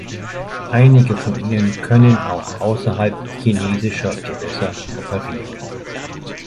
Einige von ihnen können auch außerhalb chinesischer Gewässer operieren.